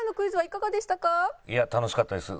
いや楽しかったです。